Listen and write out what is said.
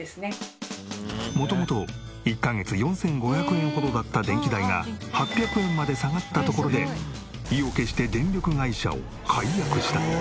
元々１カ月４５００円ほどだった電気代が８００円まで下がったところで意を決して電力会社を解約した。